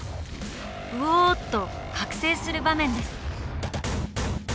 「うおおお」と覚醒する場面です。